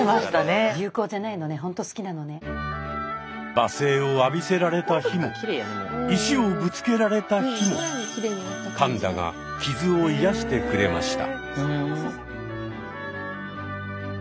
罵声を浴びせられた日も石をぶつけられた日もパンダが傷を癒やしてくれました。